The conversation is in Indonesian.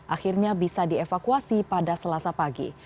akhirnya bisa dievakuasi pada selasa pagi